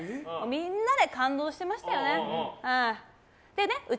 みんなで感動してましたよね。